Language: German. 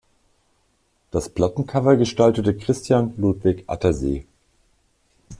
Das Plattencover gestaltete Christian Ludwig Attersee.